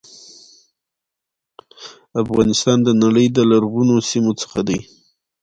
افغانستان د نړی د لرغونو سیمو څخه دی.